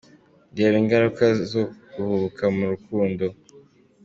Reba ingaruka zo guhubuka mu rukundo.